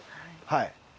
はい。